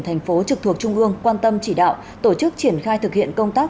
thành phố trực thuộc trung ương quan tâm chỉ đạo tổ chức triển khai thực hiện công tác